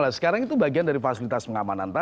nah sekarang itu bagian dari fasilitas pengamanan